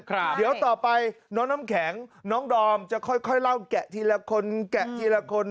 เดี๋ยวต่อไปน้องน้ำแข็งน้องดอมจะค่อยค่อยเล่าแกะทีละคนแกะทีละคน